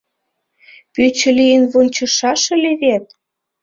«Пӱчӧ» лийын вончышаш ыле вет?